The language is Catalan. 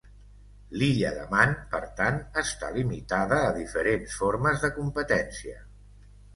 L'illa de Man, per tant, està limitada a diferents formes de competència.